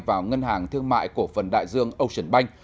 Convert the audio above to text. vào ngân hàng thương mại cổ phần đại dương ocean bank